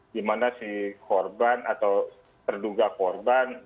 gimana si korban atau terduga korban